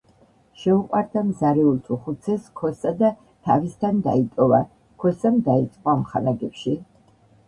შეუყვარდა მზარეულთ-უხუცესს ქოსა და თავისთან დაიტოვა. ქოსამ დაიწყო ამხანაგებში